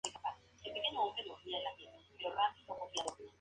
Publica poemas periódicamente en su blog Poesía de Kyra Galván.